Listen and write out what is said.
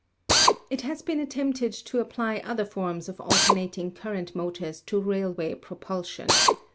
It has been attempted to apply other forms of alternat ing current motors to railway propulsion.